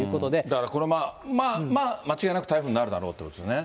だからこれまあ、間違いなく台風になるだろうということですね。